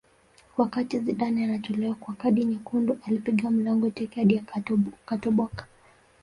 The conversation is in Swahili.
wakati zidane anatolewa kwa kadi nyekundu alipiga mlango teke hadi ukatoboka